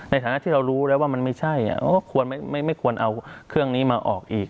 ในฐานะที่เรารู้แล้วว่ามันไม่ใช่เราก็ควรไม่ควรเอาเครื่องนี้มาออกอีก